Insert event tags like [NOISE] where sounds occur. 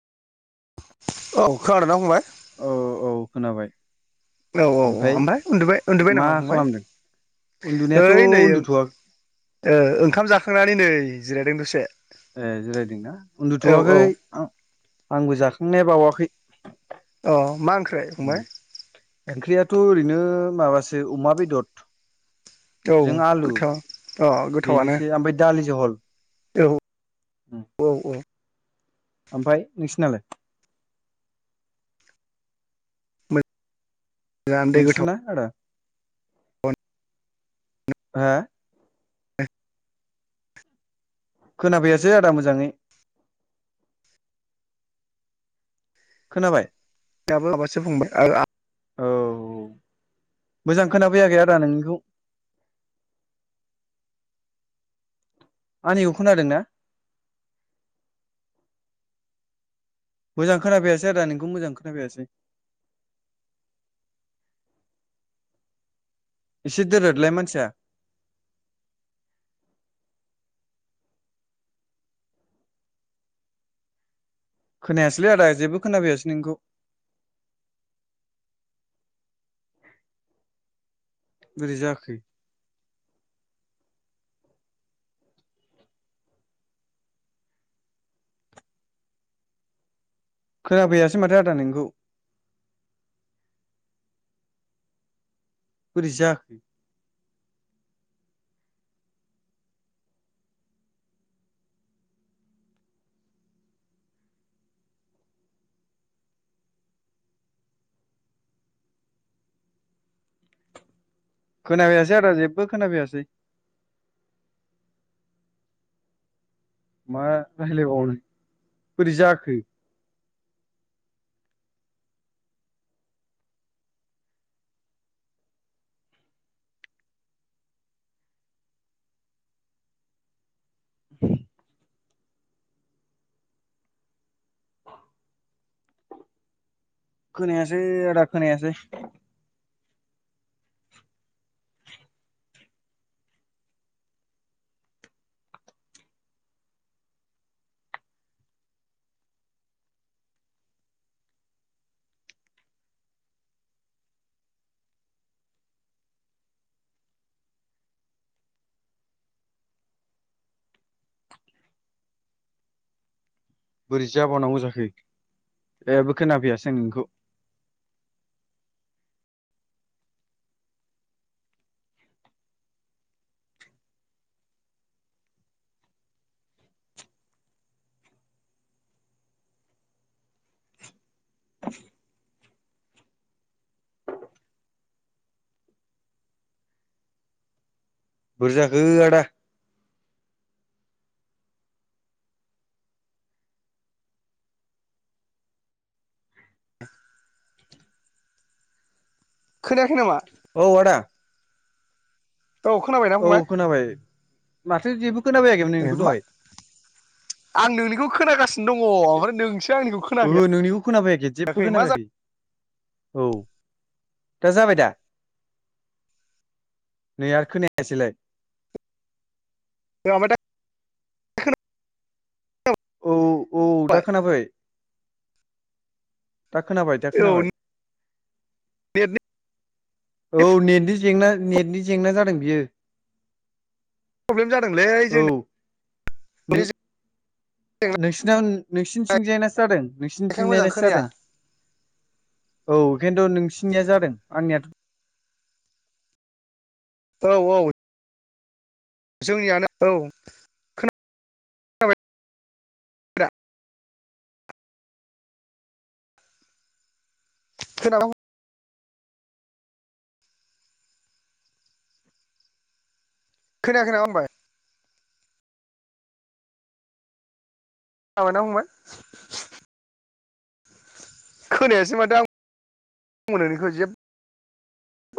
औ खोनादों ना फंबाय? औ औ खोनाबाय औ औ औ ओमफ्राय उन्दुब उन्दुबाय मा नामा फंबाय। खालामदों उन्दुनायाथ' ओइ नै उन्दुथ'वा ओंखाम जाखांनानै नै जिरायदों दसे ए जिरायदोंना औ औ उन्दुथ'वाखै आं आंबो जाखांनाया बावाखै। अ मा ओंख ओंख्रियाथ' ओरैनो माबासो अमा बेदर औ जों आलु गोथाव अ गोथावानो बेनोसै ओमफ्राय दालि जहल औ औ औ। ओमफ्राय नोंसिनालाय। मोजाङानो दे गोथाव नोंसिना आदा हा खोनाफैयासै आदा मोजाङै खोनाबाय? दाबो माबासो फंबाय [UNINTELLIGIBLE] औ मोजां खोनाफैयाखै आदा नोंनिखौ आंनिखौ खोनादों ना? मोजां खोनाफैयासै आदा नोंखौ मोजां खोनाफैयासै एसे दोरदलाय मानसिया खोनायासैलै आदा जेबो खोनाफैयासै नोंनिखौ बोरैजाखो खोनाफैयासै माथो आदा नोंनिखौ बोरै जाखो खोनाफैयासै आदा जेबो खोनाफैयासै मा रायलायबावनो बोरै जाखो खोनायासै आदा खोनायासै बोरै जाबावनांगौ जाखो जेबो खोनाफैयासै आं नोंनिखौ ज बोरैजाखो आदा दा खोनायाखै नामा? औ आदा औ खोनाबायना औ फंबाय? खोनाबाय माथो जेबो खोनाफैयाखैमोन ए नोंनिखौ मा दहाय आं नोंनिखौ खोनागासिनो दङ ओमफ्राय नोंसो आंनिखौ ओहो खोनाहैयाखै नोंनिखौ खोनाफैयाखै जेबबो मा खोनाफैयाखै जाखो औ दा जाबाय दा नै आरो खोनायासैलाय औ आमफ्राय दा खोना औ औ दा खोनाबाय दा खोनाबाय दा औ खोनाबाय [UNINTELLIGIBLE] औ नेटनि जेंना नेटनि जेंना जादों बियो प्रब्लेम जादोंलै औ जोंना नों [UNINTELLIGIBLE] नोंसिनाव नोंसिनि थिंजायनासो जादों नोंसिनि बेखायनो मोजां थिंजायनासो खोनाया जादों औ किन्थु नोंसिनिया जादों आंनियाथ' औ औ जोंनियानो औ [UNINTELLIGIBLE] खोनाबाय [UNINTELLIGIBLE] [UNINTELLIGIBLE] खोनायाखै नामा होनबाय खोनाबायना फंबाय? खोनायासै माथो आं बो नोंनिखौ जेब